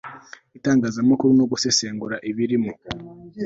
itangazamakuru no gusesengura ibirimo